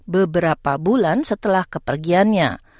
beberapa bulan setelah kepergiannya